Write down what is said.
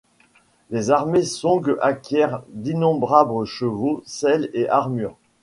Les armées Song acquièrent d'innombrables chevaux, selles et armures.